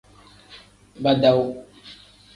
Badawu.